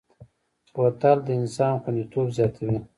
بوتل د انسان خوندیتوب زیاتوي.